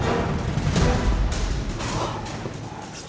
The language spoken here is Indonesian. kau telah fingerset